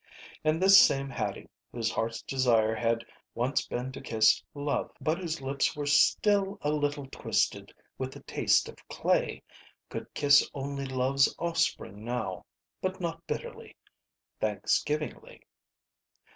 And this same Hattie, whose heart's desire had once been to kiss Love, but whose lips were still a little twisted with the taste of clay, could kiss only Love's offspring now. But not bitterly. Thanksgivingly.